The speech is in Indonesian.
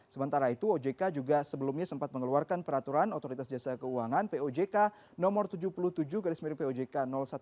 sementara itu ojk juga sebelumnya sempat mengeluarkan peraturan otoritas jasa keuangan pojk no tujuh puluh tujuh pojk satu dua ribu enam belas